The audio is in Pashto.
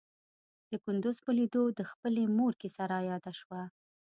د کندوز په ليدو د خپلې مور کيسه راياده شوه.